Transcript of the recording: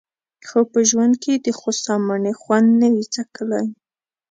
که په ژوند کې دخوسا مڼې خوند نه وي څکلی.